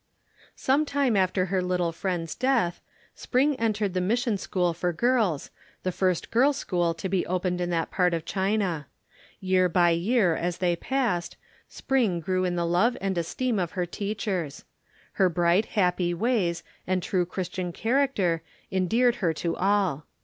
Sometime after her little friend's death, Spring entered the mission school for girls, the first girls' school to be opened in that part of China. Year by year as they passed, Spring grew in the love and esteem of her teachers. Her bright, happy ways and true Christian character endeared her to all.